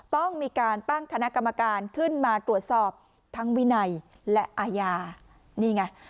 ต้องมีการตั้งคณะกรรมการขึ้นมาตรวจสอบทั้งวินัยและอาญานี่ไง